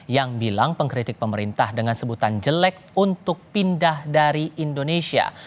yang bilang pengkritik pemerintah dengan sebutan jelek untuk pindah dari indonesia